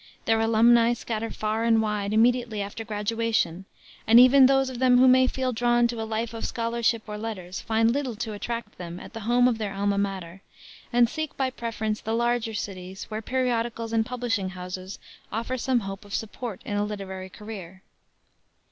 Their alumni scatter far and wide immediately after graduation, and even those of them who may feel drawn to a life of scholarship or letters find little to attract them at the home of their alma mater, and seek, by preference, the large cities where periodicals and publishing houses offer some hope of support in a literary career.